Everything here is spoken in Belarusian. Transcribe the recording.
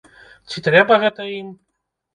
Ці трэба гэта ім?